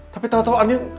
tapi tau tau andin